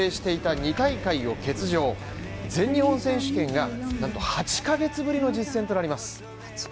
２大会を欠場、全日本選手権がなんと８ヶ月ぶりの実戦となります。